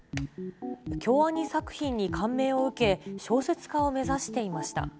京アニ作品に感銘を受け、小説家を目指していました。